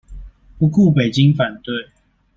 不顧北京反對